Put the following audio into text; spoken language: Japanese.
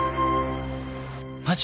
マジ？